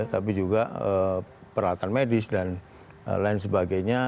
tapi juga peralatan medis dan lain sebagainya